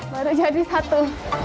baru jadi satu